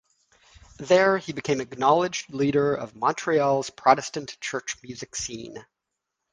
There he became the acknowledged leader of Montreal's Protestant church music scene.